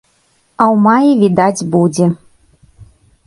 А ў маі відаць будзе.